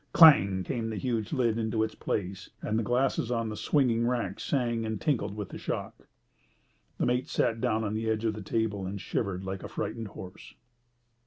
Clang came the huge lid into its place, and the glasses on the swinging rack sang and tinkled with the shock. The mate sat down on the edge of the table and shivered like a frightened horse.